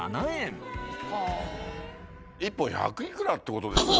１本１００いくらって事でしょ？